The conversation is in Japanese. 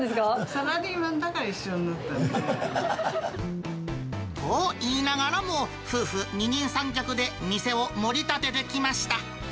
サラリーマンだから一緒になと言いながらも、夫婦二人三脚で店を盛り立ててきました。